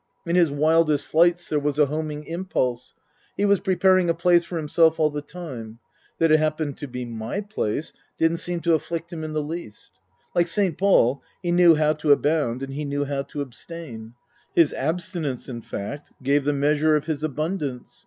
In his wildest flights there was a homing impulse ; he was preparing a place for himself all the time (that it happened to be my place didn't seem to afflict him in the least). Like St. Paul, he knew how to abound and he knew how to abstain. His abstinence, in fact, gave the measure of his abundance.